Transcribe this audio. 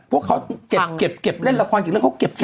พวกเขาเก็บเล่นละครเก่งเรื่องเขาเก็บสิ